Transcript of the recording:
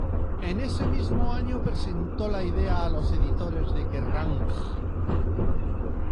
En ese mismo año presentó la idea a los editores de "Kerrang!